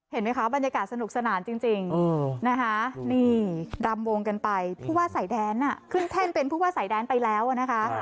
เห็นไหมคะบรรยากาศสนุกสนานจริงนะคะนี่รำวงกันไปผู้ว่าสายแดนขึ้นแท่นเป็นผู้ว่าสายแดนไปแล้วนะคะ